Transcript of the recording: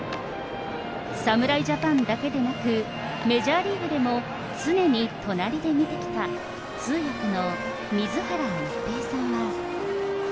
侍ジャパンだけでなく、メジャーリーグでも常に隣で見てきた通訳の水原一平さんは。